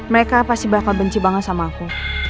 mereka pasti bakal benci banget sama aku